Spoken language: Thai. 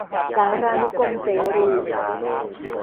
สารานุกรมเสรี